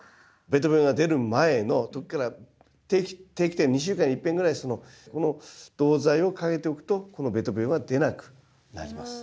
べと病が出る前の時から定期的２週間にいっぺんぐらいこの銅剤をかけておくとこのべと病は出なくなります。